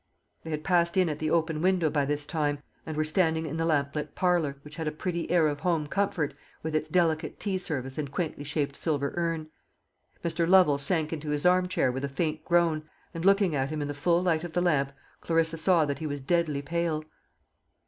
They had passed in at the open window by this time, and were standing in the lamp lit parlour, which had a pretty air of home comfort, with its delicate tea service and quaintly shaped silver urn. Mr. Lovel sank into his arm chair with a faint groan, and looking at him in the full light of the lamp, Clarissa saw that he was deadly pale.